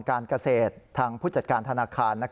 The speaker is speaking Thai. การเกษตรทางผู้จัดการธนาคาร